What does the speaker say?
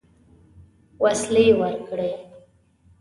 وسلې ورکړې.